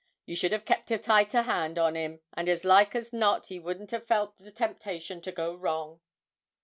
You should have kept a tighter hand on him, and as likely as not he wouldn't have felt the temptation to go wrong.'